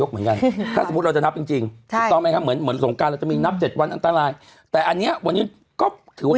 ๗มั้ยเพราะเขา๒๓ใช่ไหมครับ